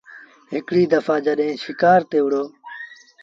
هڪڙي دڦآ جڏهيݩ شڪآر تي وهُڙو ۔